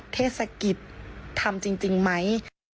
เทศกิจทำจริงไหม